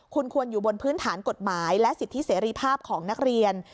คุณควรอยู่บนพื้นฐานกฎหมายและสิทธิเสรีภาพของนักเรียน